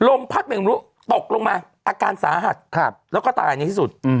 พัดไม่รู้ตกลงมาอาการสาหัสแล้วก็ตายในที่สุด